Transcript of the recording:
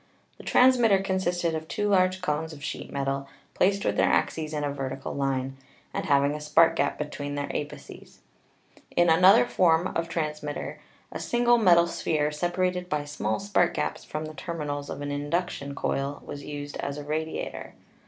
The transmitter consisted of two large cones of sheet metal placed with their axes in a vertical line, and having a spark gap between their apices. In another form of transmitter a single metal sphere, separated by small spark gaps from the terminals of an induction coil, was used as a radiator.